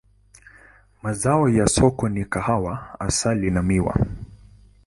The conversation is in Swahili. Mazao ya soko ni kahawa, asali na miwa.